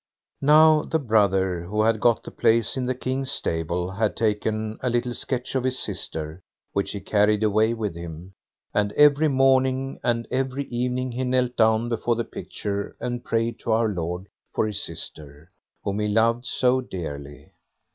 Now the brother, who had got the place in the King's stable, had taken a little sketch of his sister, which he carried away with him, and every morning and every evening he knelt down before the picture and prayed to Our Lord for his sister, whom he loved so dearly.